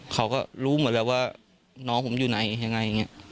เขาก็รู้หมดแล้วว่าน้องผมอยู่ไหนยังไงอย่างนี้